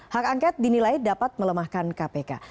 hak angket dinilai dapat melemahkan kpk